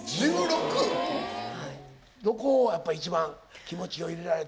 どこをやっぱ一番気持ちを入れられて。